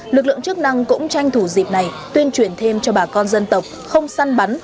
lực lượng chức năng cũng tranh thủ dịp này tuyên truyền thêm cho bà con dân tộc không săn bắn